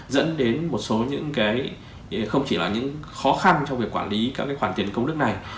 dẫn đến một số những cái không chỉ là những khó khăn trong việc quản lý các cái khoản tiền công đức này